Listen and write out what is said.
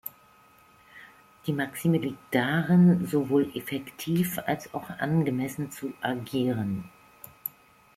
Die Maxime liegt darin, sowohl effektiv als auch angemessen zu agieren.